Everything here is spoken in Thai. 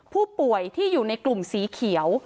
ผู้ป่วยที่อยู่ในกลุ่มสีเขียว